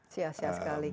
sia sia sekali kan